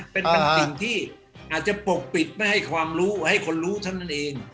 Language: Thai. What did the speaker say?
เป็นสิ่งที่อาจจะปกปิดไม่ให้ความรู้ให้คนรู้เท่านั้นเอง